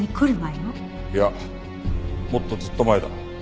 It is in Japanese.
いやもっとずっと前だ。